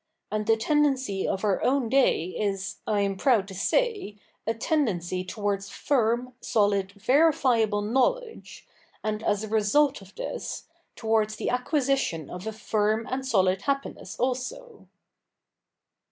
And the tendency of our own day is, I am proud to say, a tendency towards firm, solid, verifiable knowledge, and, as a result of this, towards the acquisition of a firm and solid happiness, also.'